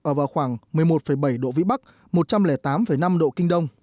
ở vào khoảng một mươi một bảy độ vĩ bắc một trăm linh tám năm độ kinh đông